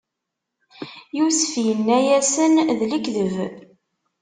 Yusef inna-yasen: D lekdeb!